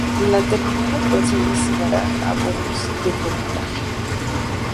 La terminal actual se destinará a vuelos de cabotaje.